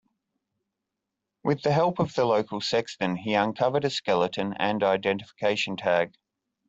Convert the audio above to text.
With the help of the local sexton, he uncovered a skeleton and identification tag.